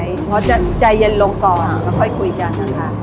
เพราะว่าจะใจเย็นลงก่อนแล้วค่อยคุยกัน